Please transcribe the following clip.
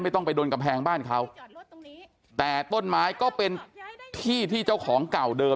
ต้องไปโดนกำแพงบ้านเขาแต่ต้นไม้ก็เป็นที่ที่เจ้าของเก่าเดิม